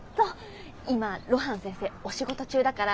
今露伴先生お仕事中だから。